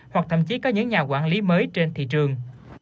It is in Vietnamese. hoặc thậm chí có những nhà quản lý mới trên thị trường